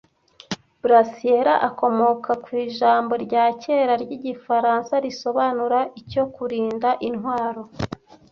Brassiere akomoka ku ijambo rya kera ryigifaransa risobanura icyo Kurinda Intwaro